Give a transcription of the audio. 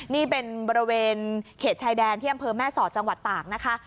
นี่เป็นบริเวณเขตชายแดนที่อำเภอแม่สอดจังหวัดตากนะคะ